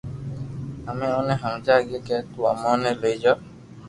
امي اوني ھمجا لاگيا ڪي تو امو ني لئي جا